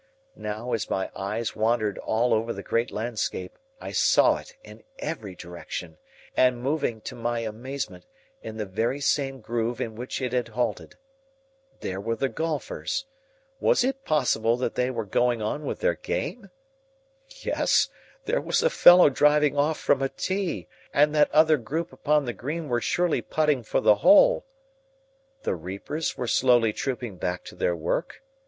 Now, as my eyes wandered all over the great landscape, I saw it in every direction and moving, to my amazement, in the very same groove in which it had halted. There were the golfers. Was it possible that they were going on with their game? Yes, there was a fellow driving off from a tee, and that other group upon the green were surely putting for the hole. The reapers were slowly trooping back to their work.